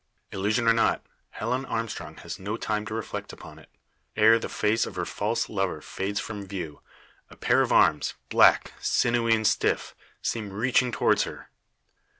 Illusion or not, Helen Armstrong has no time to reflect upon it. Ere the face of her false lover fades from view; a pair of arms, black, sinewy, and stiff, seem reaching towards her!